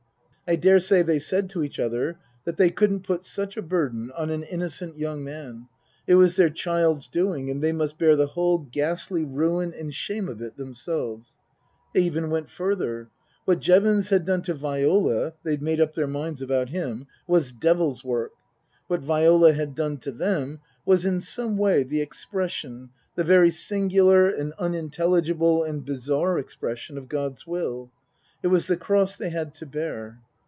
I daresay they said to each other that they couldn't put such a burden on an innocent young man ; it was their child's doing and they must bear the whole ghastly ruin and shame of it themselves. They even went further. What Jevons had done to Viola (they'd made up their minds about him) was devil's work. What Viola had done to them was in some way the expression the very singular and unintelligible and bizarre expression of God's will. It was the cross they had to bear.